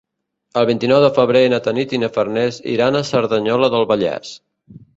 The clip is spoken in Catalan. El vint-i-nou de febrer na Tanit i na Farners iran a Cerdanyola del Vallès.